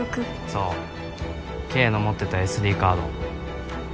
そうＫの持ってたＳＤカード